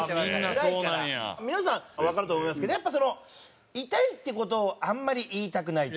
皆さんわかると思いますけどやっぱその「痛い」っていう事をあんまり言いたくないっていうか。